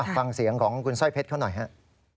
ฟังเสียงของคุณสร้อยเพชรเขาหน่อยฮะ